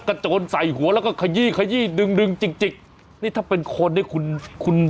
โจรใส่หัวแล้วก็ขยี้ขยี้ดึงดึงจริงจริงนี่ถ้าเป็นคนเนี่ยคุณคุณ